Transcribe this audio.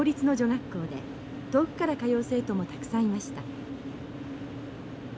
学校で遠くから通う生徒もたくさんいました。